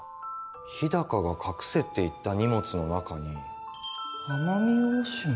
日高が隠せって言った荷物の中に奄美大島？